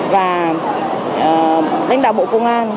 và đánh đạo bộ công an